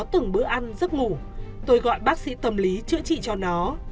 từng bữa ăn giấc ngủ tôi gọi bác sĩ tâm lý chữa trị cho nó